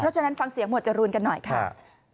ฉะนั้นฟังเสียงหมวดจรูนกันหน่อยค่ะ